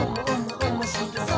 おもしろそう！」